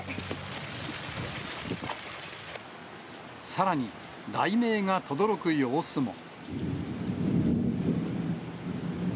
さらに、雷鳴がとどろく様子も。